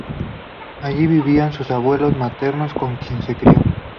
Allí vivían sus abuelos maternos con quien se crió.